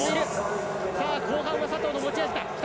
後半が佐藤の持ち味。